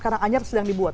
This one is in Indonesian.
karena anjar sedang dibuat